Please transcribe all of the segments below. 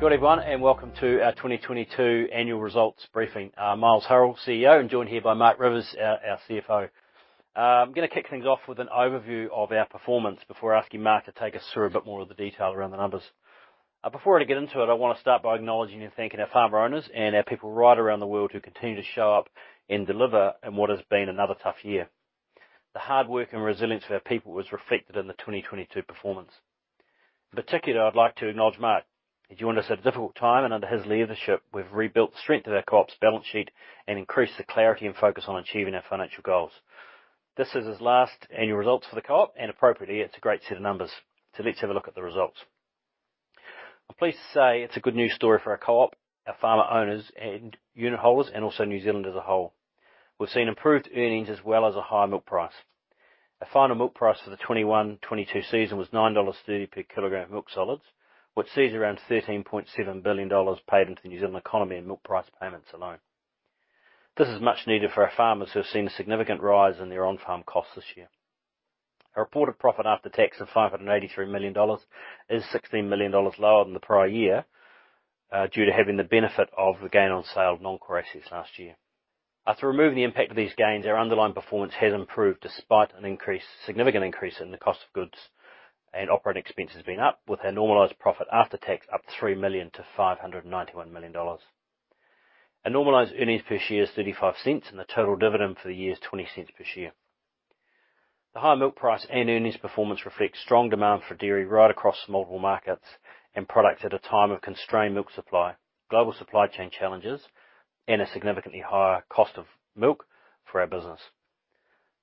Good everyone, and welcome to our 2022 annual results briefing. Miles Hurrell, CEO, and joined here by Marc Rivers, our CFO. I'm gonna kick things off with an overview of our performance before asking Marc to take us through a bit more of the detail around the numbers. Before I get into it, I wanna start by acknowledging and thanking our farmer owners and our people right around the world who continue to show up and deliver in what has been another tough year. The hard work and resilience of our people was reflected in the 2022 performance. In particular, I'd like to acknowledge Marc. He joined us at a difficult time, and under his leadership, we've rebuilt the strength of our co-op's balance sheet and increased the clarity and focus on achieving our financial goals. This is his last annual results for the co-op, and appropriately, it's a great set of numbers. Let's have a look at the results. I'm pleased to say it's a good news story for our co-op, our farmer-owners, and unit holders, and also New Zealand as a whole. We've seen improved earnings as well as a high milk price. Our final milk price for the 2021-22 season was 9.30 dollars per kg of milk solids, which is around 13.7 billion dollars paid into the New Zealand economy in milk price payments alone. This is much needed for our farmers who have seen a significant rise in their on-farm costs this year. Our reported profit after tax of 583 million dollars is 16 million dollars lower than the prior year, due to having the benefit of the gain on sale of non-core assets last year. After removing the impact of these gains, our underlying performance has improved despite a significant increase in the cost of goods and operating expenses being up, with our normalized profit after tax up 3 million to 591 million dollars. Our normalized earnings per share is 0.35, and the total dividend for the year is 0.20 per share. The high milk price and earnings performance reflects strong demand for dairy right across multiple markets and products at a time of constrained milk supply, global supply chain challenges, and a significantly higher cost of milk for our business.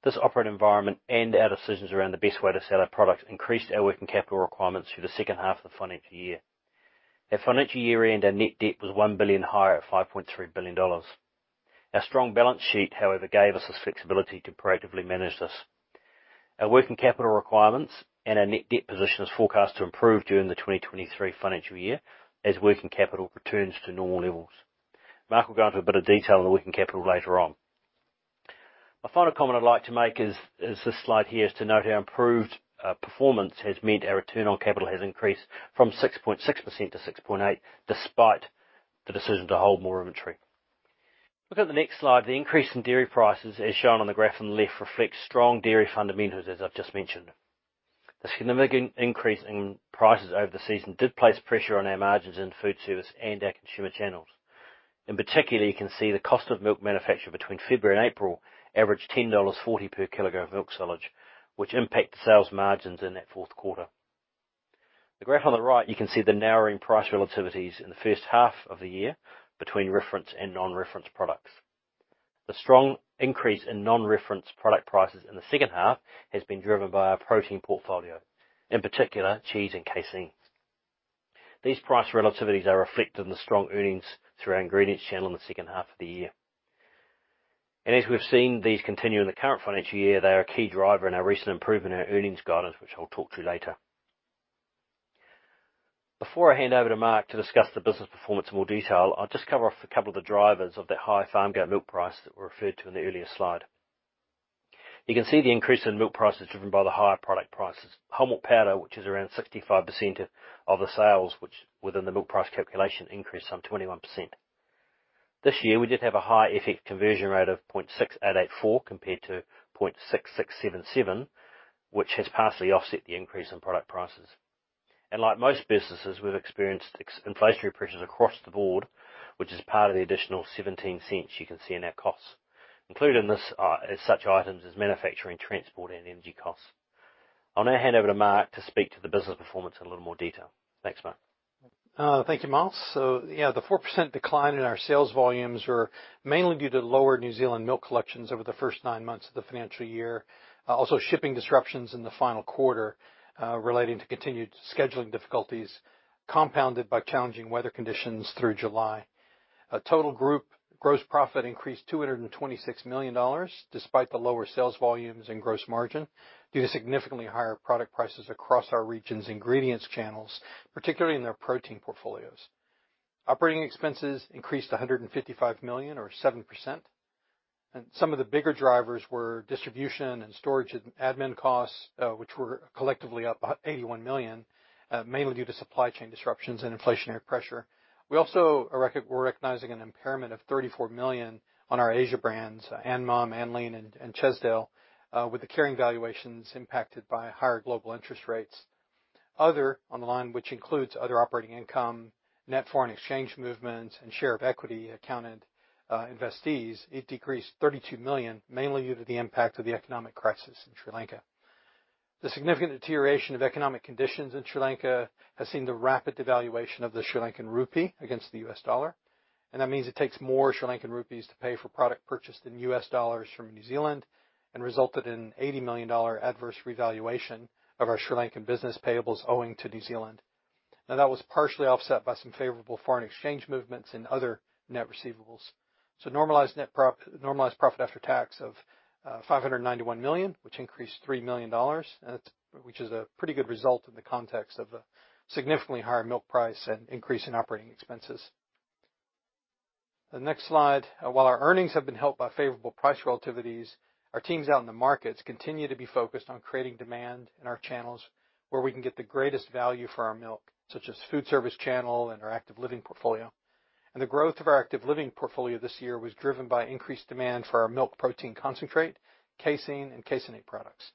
This operating environment and our decisions around the best way to sell our products increased our working capital requirements through the H2 of the financial year. At financial year-end, our net debt was 1 billion higher at 5.3 billion dollars. Our strong balance sheet, however, gave us the flexibility to proactively manage this. Our working capital requirements and our net debt position is forecast to improve during the 2023 financial year as working capital returns to normal levels. Marc will go into a bit of detail on the working capital later on. A final comment I'd like to make is this slide here is to note our improved performance has meant our return on capital has increased from 6.6%-6.8%, despite the decision to hold more inventory. Look at the next slide. The increase in dairy prices, as shown on the graph on the left, reflects strong dairy fundamentals, as I've just mentioned. The significant increase in prices over the season did place pressure on our margins in food service and our consumer channels. In particular, you can see the cost of milk manufacture between February and April averaged 10.40 dollars per kg of milk solids, which impacted sales margins in that Q4. The graph on the right, you can see the narrowing price relativities in the H1 of the year between Reference and Non-Reference Products. The strong increase in Non-Reference Product prices in the H2 has been driven by our protein portfolio, in particular cheese and caseins. These price relativities are reflected in the strong earnings through our ingredients channel in the H2 of the year. As we've seen these continue in the current financial year, they are a key driver in our recent improvement in our earnings guidance, which I'll talk to later. Before I hand over to Marc to discuss the business performance in more detail, I'll just cover off a couple of the drivers of that high Farmgate Milk Price that were referred to in the earlier slide. You can see the increase in milk prices driven by the higher product prices. Whole milk powder, which is around 65% of the sales, which within the milk price calculation increased some 21%. This year, we did have a high FX conversion rate of 0.6884 compared to 0.6677, which has partially offset the increase in product prices. Like most businesses, we've experienced inflationary pressures across the board, which is part of the additional 0.17 you can see in our costs. Included in this is such items as manufacturing, transport, and energy costs. I'll now hand over to Marc Rivers to speak to the business performance in a little more detail. Thanks, Marc. Thank you, Miles. Yeah, the 4% decline in our sales volumes were mainly due to lower New Zealand milk collections over the first nine months of the financial year. Also shipping disruptions in the final quarter, relating to continued scheduling difficulties, compounded by challenging weather conditions through July. Our total group gross profit increased 226 million dollars, despite the lower sales volumes and gross margin, due to significantly higher product prices across our regional ingredients channels, particularly in our protein portfolios. Operating expenses increased to 155 million or 7%, and some of the bigger drivers were distribution and storage and admin costs, which were collectively up about 81 million, mainly due to supply chain disruptions and inflationary pressure. We're recognizing an impairment of 34 million on our Asia brands, Anmum, Anlene, and Chesdale, with the carrying valuations impacted by higher global interest rates. Other on the line, which includes other operating income, net foreign exchange movements, and share of equity-accounted investees, it decreased 32 million, mainly due to the impact of the economic crisis in Sri Lanka. The significant deterioration of economic conditions in Sri Lanka has seen the rapid devaluation of the Sri Lankan rupee against the US dollar, and that means it takes more Sri Lankan rupees to pay for product purchased in US dollars from New Zealand, and resulted in $80 million adverse revaluation of our Sri Lankan business payables owing to New Zealand. Now, that was partially offset by some favorable foreign exchange movements in other net receivables. Normalised profit after tax of 591 million, which increased 3 million dollars. Which is a pretty good result in the context of a significantly higher milk price and increase in operating expenses. The next slide. While our earnings have been helped by favorable price relativities, our teams out in the markets continue to be focused on creating demand in our channels where we can get the greatest value for our milk, such as food service channel and our Active Living portfolio. The growth of our Active Living portfolio this year was driven by increased demand for our milk protein concentrate, casein, and caseinate products.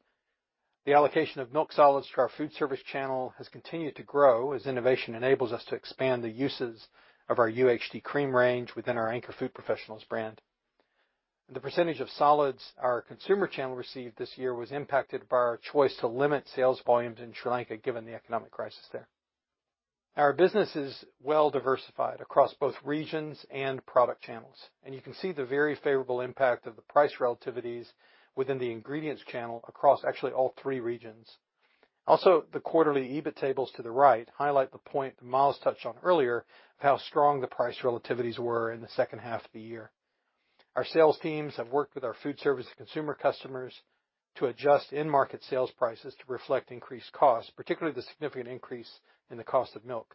The allocation of milk solids to our food service channel has continued to grow as innovation enables us to expand the uses of our UHT cream range within our Anchor Food Professionals brand. The percentage of solids our consumer channel received this year was impacted by our choice to limit sales volumes in Sri Lanka, given the economic crisis there. Our business is well diversified across both regions and product channels, and you can see the very favorable impact of the price relativities within the ingredients channel across actually all three regions. Also, the quarterly EBIT tables to the right highlight the point Miles touched on earlier of how strong the price relativities were in the H2 of the year. Our sales teams have worked with our foodservice and consumer customers to adjust in-market sales prices to reflect increased costs, particularly the significant increase in the cost of milk.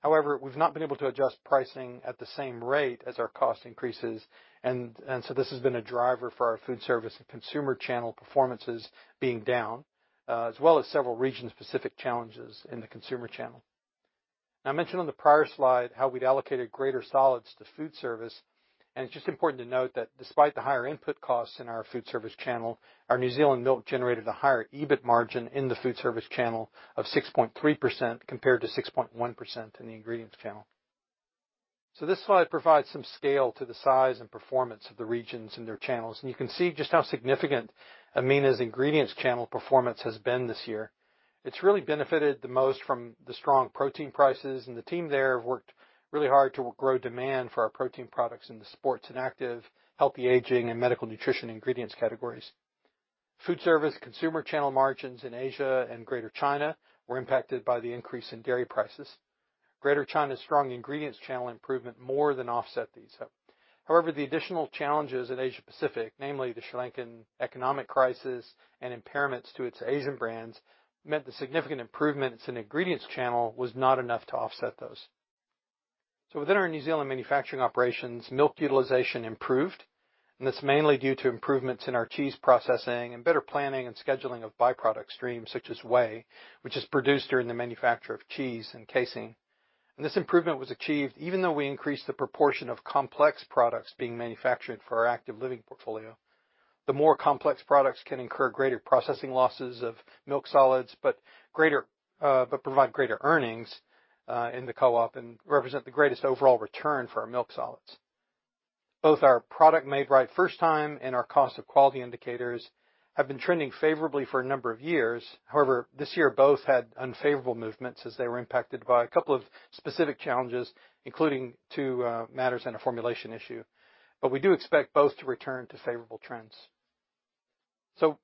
However, we've not been able to adjust pricing at the same rate as our cost increases. This has been a driver for our food service and consumer channel performances being down, as well as several region-specific challenges in the consumer channel. Now, I mentioned on the prior slide how we'd allocated greater solids to food service. It's just important to note that despite the higher input costs in our food service channel, our New Zealand milk generated a higher EBIT margin in the food service channel of 6.3%, compared to 6.1% in the ingredients channel. This slide provides some scale to the size and performance of the regions and their channels, and you can see just how significant AMENA's ingredients channel performance has been this year. It's really benefited the most from the strong protein prices, and the team there have worked really hard to grow demand for our protein products in the sports and active, healthy aging, and medical nutrition ingredients categories. Foodservice consumer channel margins in Asia and Greater China were impacted by the increase in dairy prices. Greater China's strong ingredients channel improvement more than offset these. However, the additional challenges in Asia-Pacific, namely the Sri Lankan economic crisis and impairments to its Asian brands, meant the significant improvements in ingredients channel was not enough to offset those. Within our New Zealand manufacturing operations, milk utilization improved, and that's mainly due to improvements in our cheese processing and better planning and scheduling of byproduct streams such as whey, which is produced during the manufacture of cheese and casein. This improvement was achieved even though we increased the proportion of complex products being manufactured for our Active Living portfolio. The more complex products can incur greater processing losses of milk solids, but provide greater earnings in the co-op and represent the greatest overall return for our milk solids. Both our Made Right First Time and our cost of quality indicators have been trending favorably for a number of years. However, this year both had unfavorable movements as they were impacted by a couple of specific challenges, including two matters and a formulation issue. We do expect both to return to favorable trends.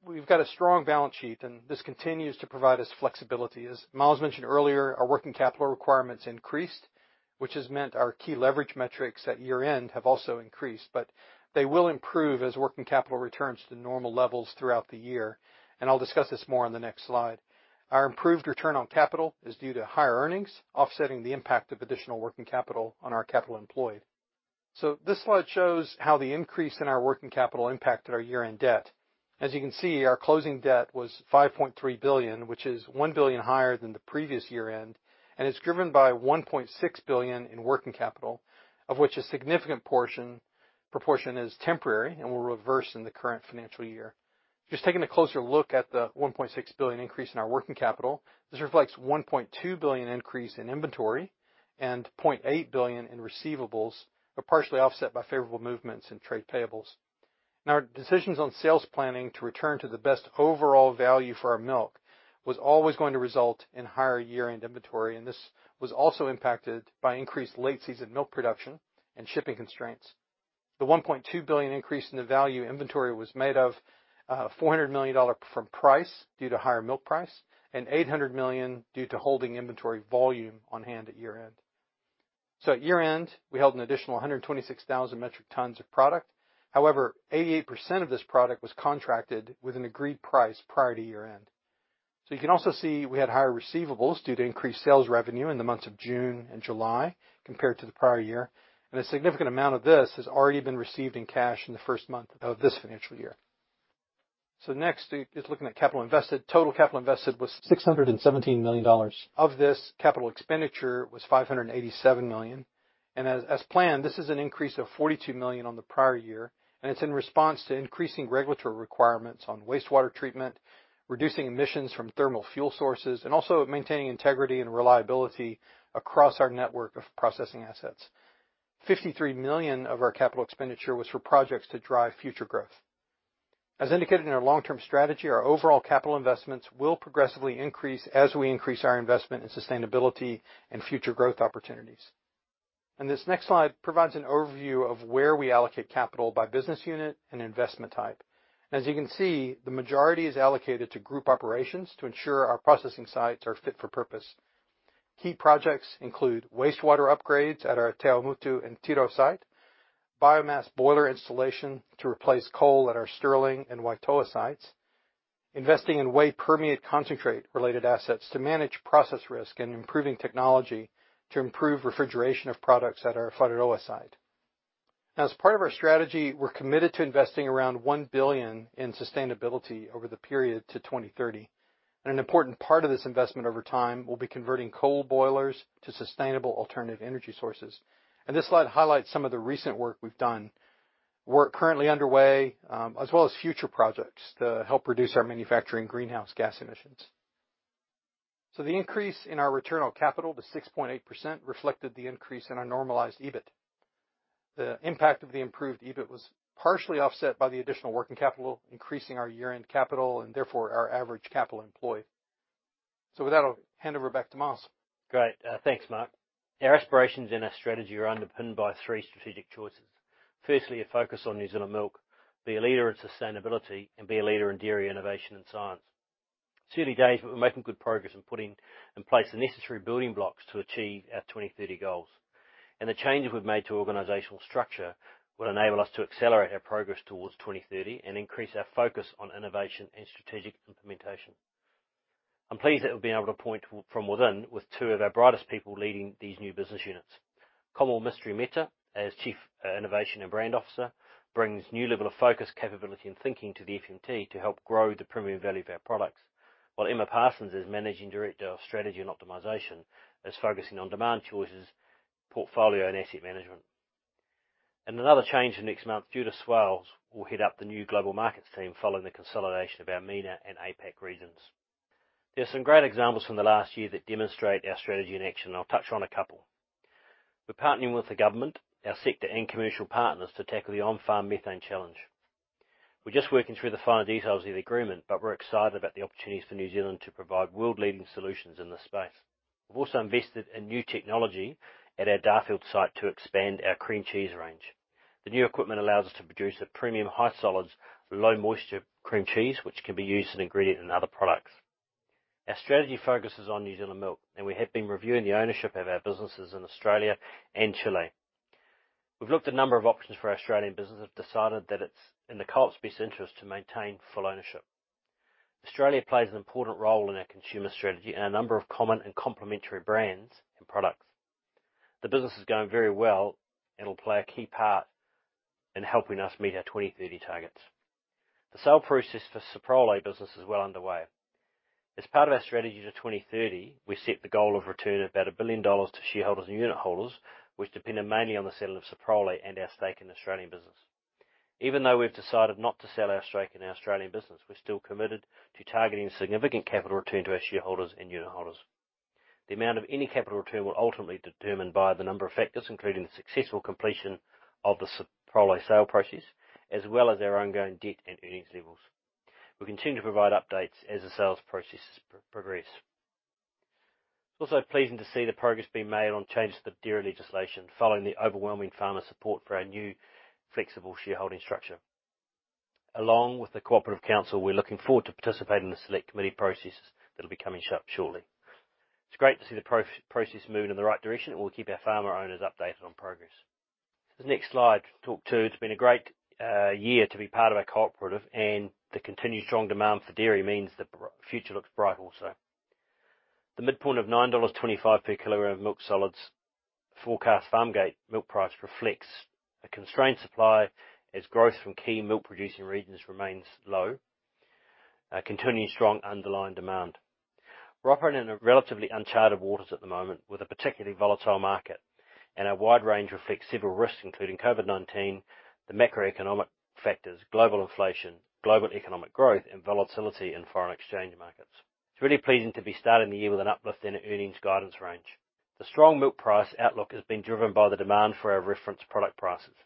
We've got a strong balance sheet, and this continues to provide us flexibility. As Miles mentioned earlier, our working capital requirements increased, which has meant our key leverage metrics at year-end have also increased, but they will improve as working capital returns to normal levels throughout the year. I'll discuss this more on the next slide. Our improved Return on Capital is due to higher earnings offsetting the impact of additional working capital on our capital employed. This slide shows how the increase in our working capital impacted our year-end debt. As you can see, our closing debt was 5.3 billion, which is 1 billion higher than the previous year-end, and it's driven by 1.6 billion in working capital, of which a significant portion, proportion is temporary and will reverse in the current financial year. Just taking a closer look at the 1.6 billion increase in our working capital, this reflects 1.2 billion increase in inventory and 0.8 billion in receivables, but partially offset by favorable movements in trade payables. Our decisions on sales planning to return to the best overall value for our milk was always going to result in higher year-end inventory, and this was also impacted by increased late-season milk production and shipping constraints. The 1.2 billion increase in the value of inventory was made up of 400 million dollar from price due to higher milk price and 800 million due to holding inventory volume on hand at year-end. At year-end, we held an additional 126,000 metric tons of product. However, 88% of this product was contracted with an agreed price prior to year-end. You can also see we had higher receivables due to increased sales revenue in the months of June and July compared to the prior year, and a significant amount of this has already been received in cash in the first month of this financial year. Next is looking at capital invested. Total capital invested was 617 million dollars. Of this, capital expenditure was 587 million. As planned, this is an increase of 42 million on the prior year, and it's in response to increasing regulatory requirements on wastewater treatment, reducing emissions from thermal fuel sources, and also maintaining integrity and reliability across our network of processing assets. 53 million of our capital expenditure was for projects to drive future growth. As indicated in our long-term strategy, our overall capital investments will progressively increase as we increase our investment in sustainability and future growth opportunities. This next slide provides an overview of where we allocate capital by business unit and investment type. As you can see, the majority is allocated to group operations to ensure our processing sites are fit for purpose. Key projects include wastewater upgrades at our Te Awamutu and Tirau site, biomass boiler installation to replace coal at our Stirling and Waitoa sites. Investing in whey permeate concentrate related assets to manage process risk and improving technology to improve refrigeration of products at our Whareroa site. As part of our strategy, we're committed to investing around 1 billion in sustainability over the period to 2030. An important part of this investment over time will be converting coal boilers to sustainable alternative energy sources. This slide highlights some of the recent work we've done. Work currently underway, as well as future projects to help reduce our manufacturing greenhouse gas emissions. The increase in our Return on Capital to 6.8% reflected the increase in our normalized EBIT. The impact of the improved EBIT was partially offset by the additional working capital, increasing our year-end capital and therefore our average capital employed. With that, I'll hand over back to Miles. Great. Thanks, Marc. Our aspirations in our strategy are underpinned by three strategic choices. Firstly, a focus on New Zealand milk, be a leader in sustainability, and be a leader in dairy innovation and science. It's early days, but we're making good progress in putting in place the necessary building blocks to achieve our 2030 goals. The changes we've made to organizational structure will enable us to accelerate our progress towards 2030 and increase our focus on innovation and strategic implementation. I'm pleased that we've been able to appoint from within with two of our brightest people leading these new business units. Komal Mistry Mehta as Chief Innovation and Brand Officer brings new level of focus, capability, and thinking to the FMT to help grow the premium value of our products. While Emma Parsons, as Managing Director of Strategy and Optimization, is focusing on demand choices, portfolio, and asset management. Another change in next month, Judith Swales will head up the new global markets team following the consolidation of our MENA and APAC regions. There are some great examples from the last year that demonstrate our strategy in action, and I'll touch on a couple. We're partnering with the government, our sector and commercial partners to tackle the on-farm methane challenge. We're just working through the final details of the agreement, but we're excited about the opportunities for New Zealand to provide world-leading solutions in this space. We've also invested in new technology at our Darfield site to expand our cream cheese range. The new equipment allows us to produce a premium high solids, low moisture cream cheese, which can be used as an ingredient in other products. Our strategy focuses on New Zealand milk, and we have been reviewing the ownership of our businesses in Australia and Chile. We've looked at a number of options for our Australian business and decided that it's in the co-op's best interest to maintain full ownership. Australia plays an important role in our consumer strategy and a number of common and complementary brands and products. The business is going very well, and it'll play a key part in helping us meet our 2030 targets. The sale process for Soprole business is well underway. As part of our strategy to 2030, we set the goal of return of about 1 billion dollars to shareholders and unitholders, which depended mainly on the sale of Soprole and our stake in the Australian business. Even though we've decided not to sell our stake in our Australian business, we're still committed to targeting significant capital return to our shareholders and unitholders. The amount of any capital return will ultimately be determined by the number of factors, including the successful completion of the Soprole sale process, as well as our ongoing debt and earnings levels. We'll continue to provide updates as the sales processes progress. It's also pleasing to see the progress being made on changes to the dairy legislation following the overwhelming farmer support for our new flexible shareholding structure. Along with the Co-operative Council, we're looking forward to participating in the select committee processes that'll be coming up shortly. It's great to see the process moving in the right direction, and we'll keep our farmer owners updated on progress. This next slide talks to. It's been a great year to be part of our co-operative, and the continued strong demand for dairy means the future looks bright also. The midpoint of 9.25 dollars per kg of milk solids forecast Farmgate Milk Price reflects a constrained supply as growth from key milk-producing regions remains low, continuing strong underlying demand. We're operating in a relatively uncharted waters at the moment with a particularly volatile market, and our wide range reflects several risks, including COVID-19, the macroeconomic factors, global inflation, global economic growth, and volatility in foreign exchange markets. It's really pleasing to be starting the year with an uplift in earnings guidance range. The strong milk price outlook has been driven by the demand for our Reference Product prices.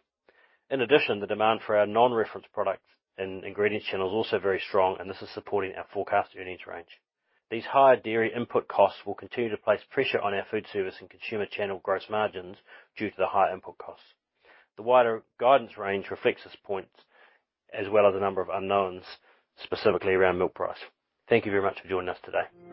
In addition, the demand for our Non-Reference Products and ingredients channel is also very strong, and this is supporting our forecast earnings range. These higher dairy input costs will continue to place pressure on our foodservice and consumer channel gross margins due to the higher input costs. The wider guidance range reflects this point, as well as a number of unknowns, specifically around milk price. Thank you very much for joining us today.